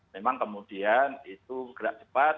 memang kemudian itu gerak cepat